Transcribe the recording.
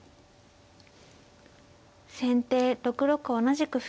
先手６六同じく歩。